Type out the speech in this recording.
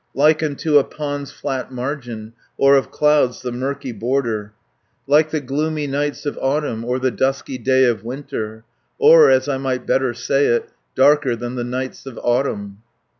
Like unto a pond's flat margin, Or of clouds the murky border; 180 Like the gloomy nights of autumn, Or the dusky day of winter, Or, as I might better say it, Darker than the nights of autumn!"